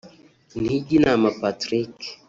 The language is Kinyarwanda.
Ntijyinama Patrick